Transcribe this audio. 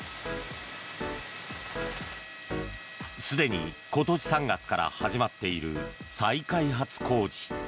すでに今年３月から始まっている再開発工事。